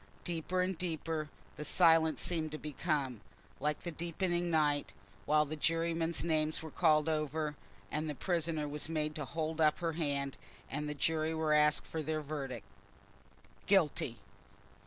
Deeper and deeper the silence seemed to become, like the deepening night, while the jurymen's names were called over, and the prisoner was made to hold up her hand, and the jury were asked for their verdict. "Guilty."